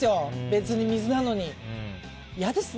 別に水なのに。